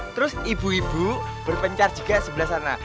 terus ibu ibu berpencar juga sebelah sana